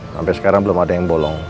sampai sekarang belum ada yang bolong